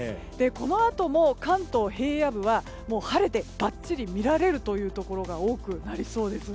このあとも関東平野部は晴れてばっちり見られるところが多くなりそうです。